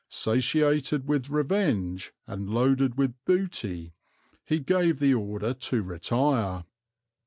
Satiated with revenge and loaded with booty, he gave the order to retire."